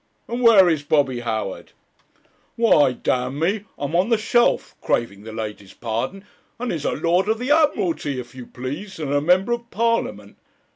and where is Bobby Howard? Why, d e, I'm on the shelf, craving the ladies' pardon; and he's a Lord of the Admiralty, if you please, and a Member of Parliament.